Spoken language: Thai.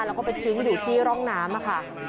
แล้วก็ไปทิ้งอยู่ที่ร่องน้ำค่ะ